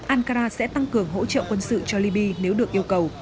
ankara sẽ tăng cường hỗ trợ quân sự cho libya nếu được yêu cầu